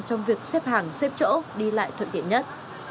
trong việc xếp hàng xếp chỗ đi lại thuận tiện nhất